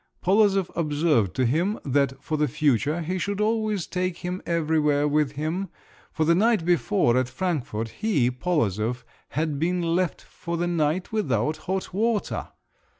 Polozov observed to him that for the future he should always take him everywhere with him, for the night before at Frankfort, he, Polozov, had been left for the night without hot water!